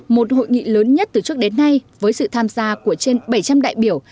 một hội nghị lớn nhất từ trước đến nay với sự tham gia của trên bảy trăm linh đại biểu